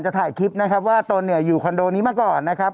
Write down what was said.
ถ่ายคลิปนะครับว่าตนเนี่ยอยู่คอนโดนี้มาก่อนนะครับ